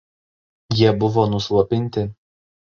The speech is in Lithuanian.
Jie buvo nuslopinti.